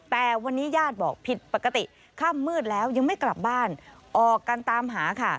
แต่วันนี้ญาติบอกผิดปกติค่ำมืดแล้วยังไม่กลับบ้านออกกันตามหาค่ะ